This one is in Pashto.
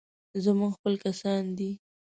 زموږ خپل کسان دي.